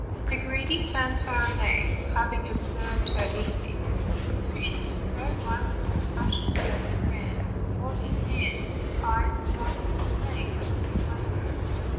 The greedy Fanfarinet, having observed her eating, flew into so vio lent a passion that he ran, sword in hand, his eyes sparkling with rage, to slay her.